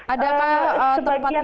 ada apa tempat pengungsian